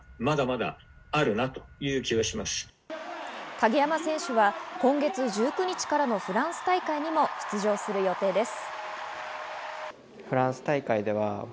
鍵山選手は今月１９日からのフランス大会にも出場する予定です。